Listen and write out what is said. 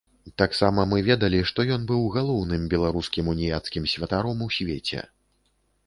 Таксама мы ведалі, што ён быў галоўным беларускім уніяцкім святаром у свеце.